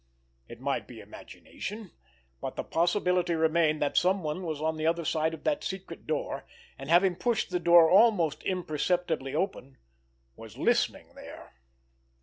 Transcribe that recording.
It might be imagination, but the possibility remained that someone was on the other side of that secret door, and, having pushed the door almost imperceptibly open, was listening there.